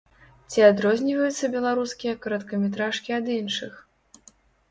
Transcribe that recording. Ці адрозніваюцца беларускія кароткаметражкі ад іншых?